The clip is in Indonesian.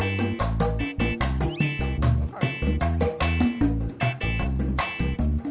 enggak tau tidak tahu saya mah gak ngerti